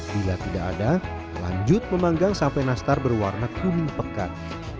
bila tidak ada lanjut memanggang sampai nastar berwarna kuning pekat